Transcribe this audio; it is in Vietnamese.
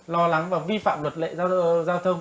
lo lắng vào vi phạm luật lệ giao thông